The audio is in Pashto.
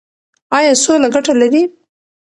ایا سوله ګټه لري؟